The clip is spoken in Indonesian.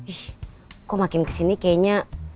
ih kok makin ke sini kayaknya